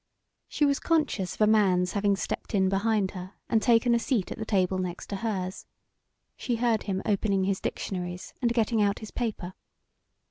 She was conscious of a man's having stepped in behind her and taken a seat at the table next hers. She heard him opening his dictionaries and getting out his paper.